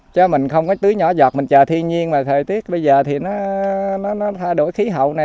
chứ mình không có tưới nhỏ giọt mình chờ thiên nhiên mà thời tiết bây giờ thì nó thay đổi khí hậu này